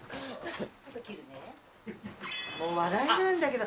笑えるんだけど。